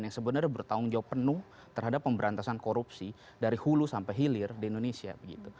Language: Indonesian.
karena sebenarnya bertanggung jawab penuh terhadap pemberantasan korupsi dari hulu sampai hilir di indonesia